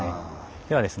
ではですね